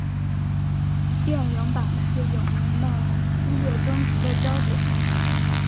电影版是影迷们激烈争执的焦点。